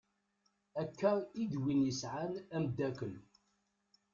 Akka i d win yesɛan amddakel.